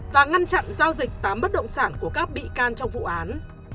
và ngăn chặn giao dịch tám bất động sản của các bị can trong vụ án